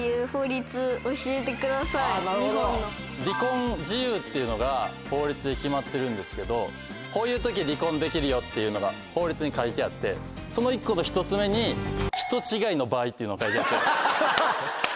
離婚事由っていうのが法律で決まってるんですけどこういう時離婚できるよってのが法律に書いてあってその１個の１つ目に「人違いの場合」っていうのが書いてあって。